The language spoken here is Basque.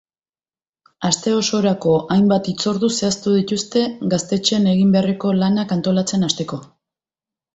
Aste osorako, hainbat hitzordu zehaztu dituzte gaztetxean egin beharreko lanak antolatzen hasteko.